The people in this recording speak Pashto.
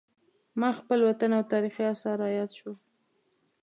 ما خپل وطن او تاریخي اثار را یاد شول.